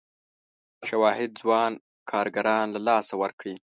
شواهد ځوان کارګران له لاسه ورکړي.